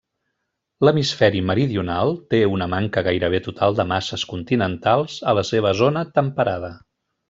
L'hemisferi meridional té una manca gairebé total de masses continentals a la seva zona temperada.